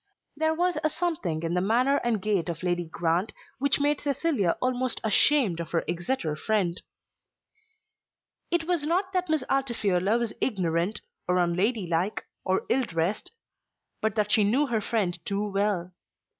There was a something in the manner and gait of Lady Grant which made Cecilia almost ashamed of her Exeter friend. It was not that Miss Altifiorla was ignorant, or unladylike, or ill dressed; but that she knew her friend too well.